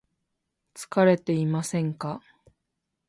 疲れていませんか